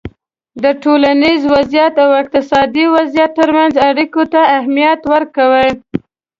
د ټولنیز وضععیت او اقتصادي وضعیت ترمنځ اړیکو ته اهمیت ورکوی